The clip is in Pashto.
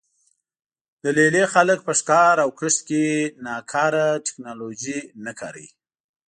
د لې لې خلک په ښکار او کښت کې ناکاره ټکنالوژي نه کاروي